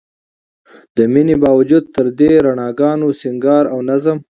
د مينې باوجود تر دې رڼاګانو، سينګار او نظم